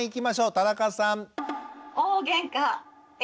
田中さん。